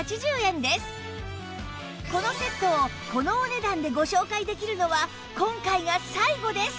このセットをこのお値段でご紹介できるのは今回が最後です